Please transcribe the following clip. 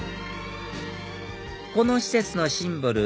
この施設のシンボル